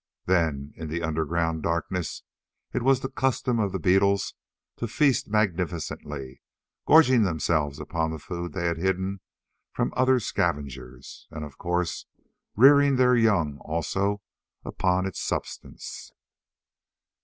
Then, in the underground darkness, it was the custom for the beetles to feast magnificently, gorging themselves upon the food they had hidden from other scavengers and of course rearing their young also upon its substance.